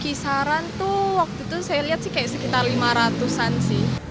kisaran tuh waktu itu saya lihat sih kayak sekitar lima ratus an sih